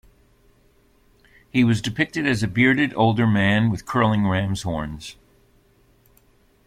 He was depicted as a bearded older man with curling ram's horns.